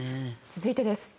続いてです。